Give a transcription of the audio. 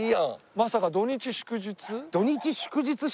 まさか土日祝日。